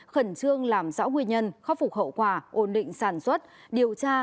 khẩn trương làm rõ nguyên nhân khắc phục hậu quả ổn định sản xuất điều tra